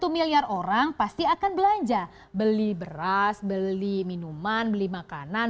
satu miliar orang pasti akan belanja beli beras beli minuman beli makanan